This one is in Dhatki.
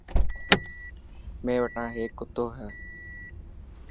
مين وٽا هيڪ ڪتو هي.